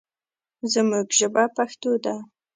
زموږ ژبه پښتو ده.